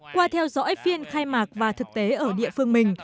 qua theo dõi phiên khai mạc và thực tế ở địa phương mình